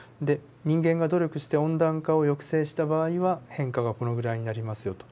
人間が努力して温暖化を抑制した場合は変化がこのぐらいになりますよと。